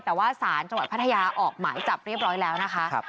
แต่ว่าศาลจังหวัดพัทยาออกหมายจับเรียบร้อยแล้วนะคะ